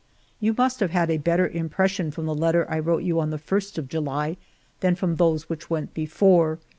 You must have had a better impression from the letter I wrote you on the ist of July than from those which went before.